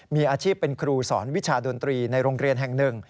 มีอาชีพเป็นครูสอนวิชาดนตรีในโรงเรียนแห่งหนึ่ง